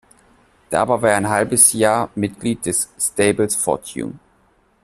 Dabei war er ein halbes Jahr Mitglied des Stables "Fortune".